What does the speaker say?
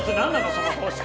その方式。